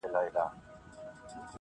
ایله خره ته سوه معلوم د ژوند رازونه -